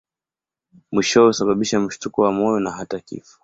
Mwishowe husababisha mshtuko wa moyo na hata kifo.